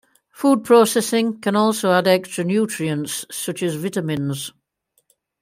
Food processing can also add extra nutrients such as vitamins.